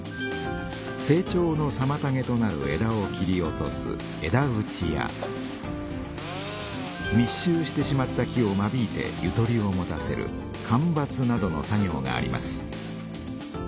成長のさまたげとなる枝を切り落とす枝打ちやみっ集してしまった木を間引いてゆとりを持たせる間伐などの作業があります。